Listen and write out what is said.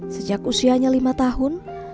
sejak usianya lima tahun